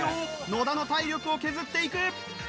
野田の体力を削っていく！